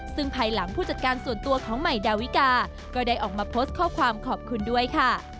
ซึ่งภายหลังผู้จัดการส่วนตัวของใหม่ดาวิกาก็ได้ออกมาโพสต์ข้อความขอบคุณด้วยค่ะ